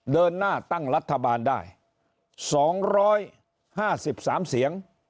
เดินหน้าตั้งรัฐบาลได้๒๕๓เสียง